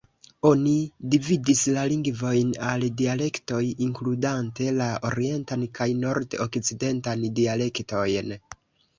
Oni dividis la lingvojn al dialektoj, inkludante la orientan kaj nord-okcidentan dialektojn.